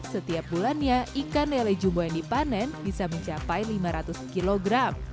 setiap bulannya ikan lele jumbo yang dipanen bisa mencapai lima ratus kg